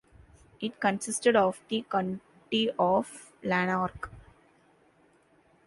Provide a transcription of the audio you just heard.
It consisted of the county of Lanark.